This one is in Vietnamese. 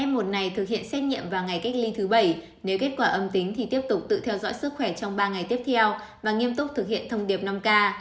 f một này thực hiện xét nghiệm vào ngày cách ly thứ bảy nếu kết quả âm tính thì tiếp tục tự theo dõi sức khỏe trong ba ngày tiếp theo và nghiêm túc thực hiện thông điệp năm k